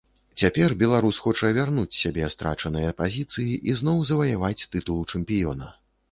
Цяпер беларус хоча вярнуць сабе страчаныя пазіцыі і зноў заваяваць тытул чэмпіёна.